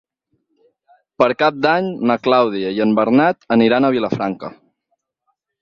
Per Cap d'Any na Clàudia i en Bernat aniran a Vilafranca.